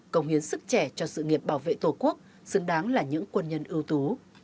công hiến sức trẻ cho sự nghiệp bảo vệ tổ quốc xứng đáng là những quân nhân ưu tú